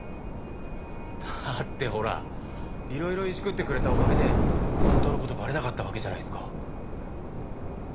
だってほらいろいろいじくってくれたおかげで本当の事バレなかったわけじゃないっすか。